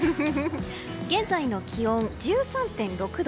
現在の気温、１３．６度。